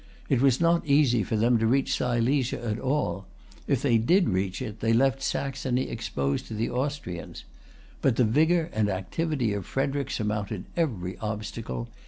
It was not easy for them to reach Silesia at all. If they did reach it, they left Saxony exposed to the Austrians. But the vigor and activity of Frederic surmounted every obstacle.